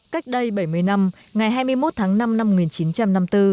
cách đây bảy mươi năm ngày hai mươi một tháng năm năm một nghìn chín trăm năm mươi bốn